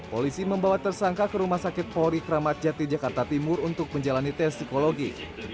polisi membawa tersangka ke rumah sakit polri kramat jati jakarta timur untuk menjalani tes psikologi